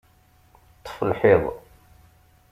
Ṭṭef lḥiḍ!